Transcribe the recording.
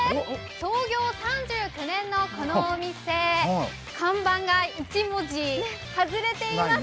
創業３９年のこのお店、看板が一文字、外れています。